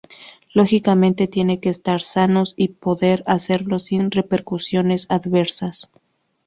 Lógicamente, tienen que estar sanos y poder hacerlo sin repercusiones adversas.